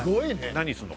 何するの？